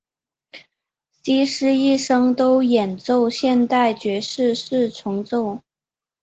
希斯一生都演奏现代爵士四重奏。